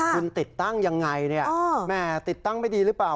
คุณติดตั้งยังไงติดตั้งไม่ดีหรือเปล่า